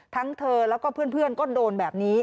ทั้งเธอแล้วก็เพื่อนก็โดนแบบนี้